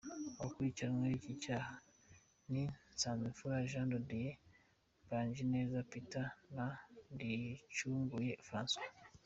Abakurikiranyweho iki cyaha ni Nsanzimfura Jean de Dieu, Mbanjineza Peter, na Ndicunguye François.